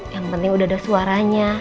yang penting udah ada suaranya